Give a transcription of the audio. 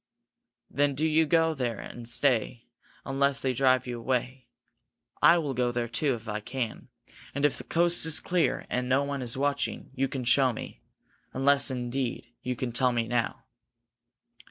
"Then do you go there and stay, unless they drive you away. I will go there, too, if I can, and if the coast is clear and no one is watching, you can show me. Unless, indeed, you can tell me now?"